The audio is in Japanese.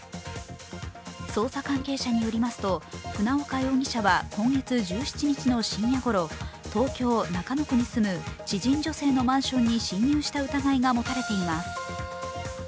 捜査関係者によりますと、船岡容疑者は今月１７日の深夜ごろ東京・中野区に住む知人女性のマンションに侵入した疑いが持たれています。